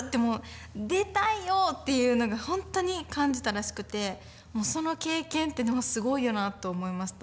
出たいよっていうのがほんとに感じたらしくてその経験ってのもすごいよなと思いました。